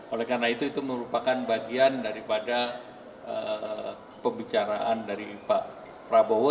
oleh karena itu merupakan bagian daripada pembicaraan dari pak prabowo